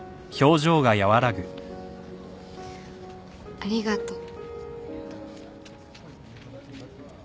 ありがとう。